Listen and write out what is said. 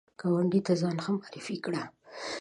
ګاونډي ته ځان ښه معرفي کړه